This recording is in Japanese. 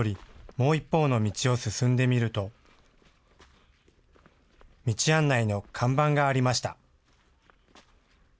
もう一方の道を進んでみると道案内の看板がありました。